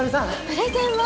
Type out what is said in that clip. プレゼンは！？